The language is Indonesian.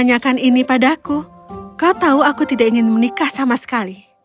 tanyakan ini padaku kau tahu aku tidak ingin menikah sama sekali